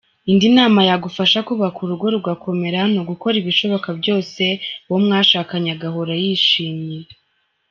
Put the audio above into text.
Indi nama yagufasha kubaka urugo rugakomera ni ugukora ibishoboka byose uwo mwashakanye agahora yishimye.